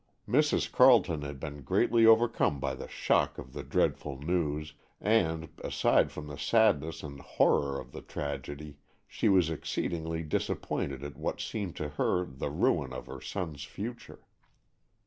Mrs. Carleton had been greatly overcome by the shock of the dreadful news, and, aside from the sadness and horror of the tragedy, she was exceedingly disappointed at what seemed to her the ruin of her son's future.